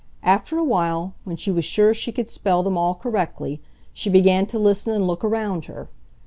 After a while, when she was sure she could spell them all correctly, she began to listen and look around her.